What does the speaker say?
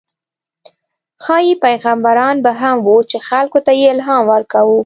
ښايي پیغمبران به هم وو، چې خلکو ته یې الهام ورکاوه.